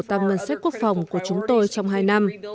tăng ngân sách quốc phòng của chúng tôi trong hai năm